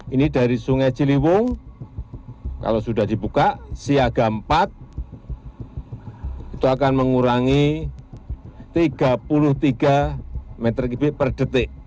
ini dari sungai ciliwung kalau sudah dibuka siaga empat itu akan mengurangi tiga puluh tiga meter kubik per detik